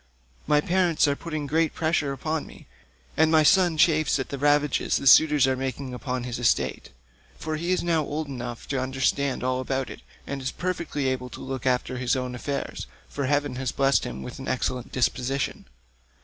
My parents are putting great pressure upon me, and my son chafes at the ravages the suitors are making upon his estate, for he is now old enough to understand all about it and is perfectly able to look after his own affairs, for heaven has blessed him with an excellent disposition.